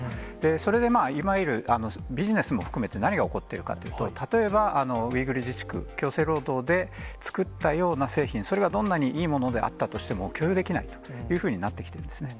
それでいわゆるビジネスも含めて、何が起こっているかというと、例えばウイグル自治区、強制労働で作ったような製品、それがどんなにいいものであったとしても許容できないというふうになってきてるんですね。